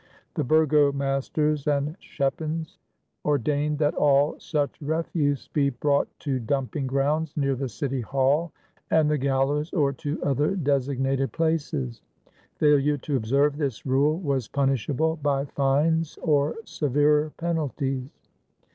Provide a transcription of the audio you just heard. The burgomasters and schepens ordained that all such refuse be brought to dumping grounds near the City Hall and the gallows or to other designated places. Failure to observe this rule was punishable by fines or severer penalties.